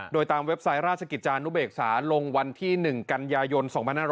โดยตามเว็บไซต์ราชกิจจานุเบกษาลงวันที่๑กันยายน๒๕๖๐